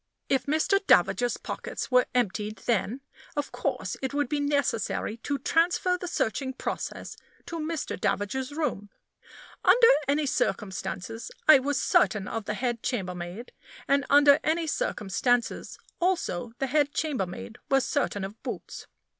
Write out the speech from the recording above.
If Mr. D 's pockets were emptied, then, of course, it would be necessary to transfer the searching process to Mr. D 's room. Under any circumstances, I was certain of the head chambermaid; and under any circumstances, also, the head chambermaid was certain of Boots.